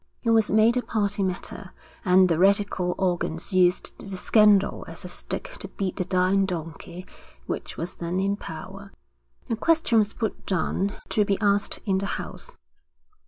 It was made a party matter, and the radical organs used the scandal as a stick to beat the dying donkey which was then in power. A question was put down to be asked in the House.